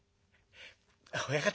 「親方